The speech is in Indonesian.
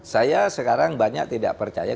saya sekarang banyak tidak percaya